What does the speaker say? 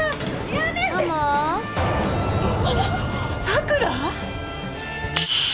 桜！？